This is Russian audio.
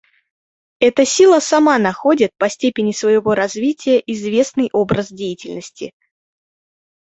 Эта сила сама находит, по степени своего развития, известный образ деятельности.